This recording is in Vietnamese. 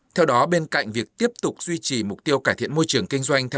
theo đó bên cạnh việc tiếp tục duy trì mục tiêu cải thiện môi trường kinh doanh